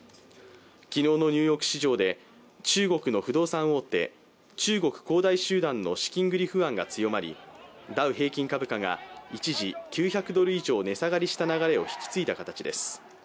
昨日のニューヨーク市場で中国の不動産大手、中国恒大集団の資金繰り不安が強まり、ダウ平均株価が一時、９００ドル以上値下がりした流れを引き継いだ形です。